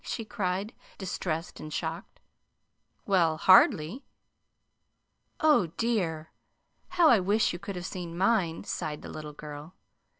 she cried, distressed and shocked. "Well, hardly!" "O dear! How I wish you could have seen mine!" sighed the little girl.